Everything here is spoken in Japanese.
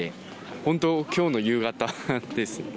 本当、きょうの夕方です。